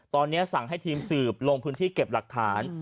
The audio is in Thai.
ตอนนี้สั่งให้ทีมสืบลงพื้นที่เก็บหลักฐาน